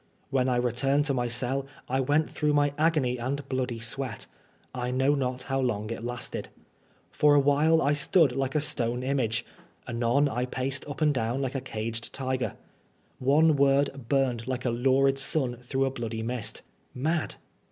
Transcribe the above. When I re turned to my cell I went through my agony and bloody sweat. I know not how long it lasted. For awhile I stood like a stone image ; anon I paced up and down like a caged tiger. One word burned like a lurid sun through a bloody mist. Mad!